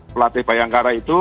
pelatih bayangkara itu